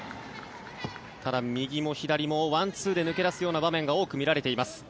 ただ、右も左もワンツーで抜け出すような場面が多く見られています。